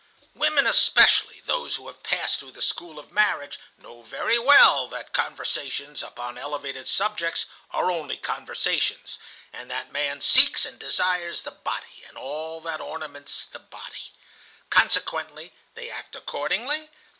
"Women, especially those who have passed through the school of marriage, know very well that conversations upon elevated subjects are only conversations, and that man seeks and desires the body and all that ornaments the body. Consequently, they act accordingly?